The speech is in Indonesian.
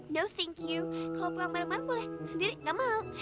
no think you kalau pulang bareng bareng boleh sendiri gak mau